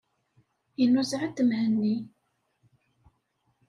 Inuzeɛ-d Mhenni.